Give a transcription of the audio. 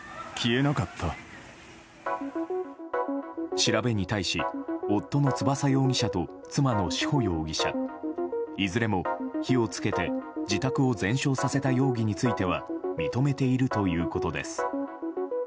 調べに対し、夫の翼容疑者と妻の志保容疑者、いずれも火をつけて自宅を全焼させた容疑については認めているということです。